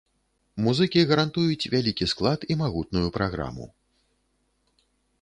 Музыкі гарантуюць вялікі склад і магутную праграму.